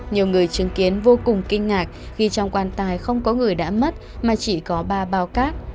nhiều người chứng kiến vô cùng kinh ngạc khi trong quan tài không có người đã mất mà chỉ có ba bao cát